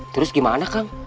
terus gimana kang